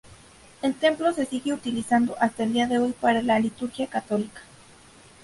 El Templo se sigue utilizando hasta el día de hoy para la liturgia católica.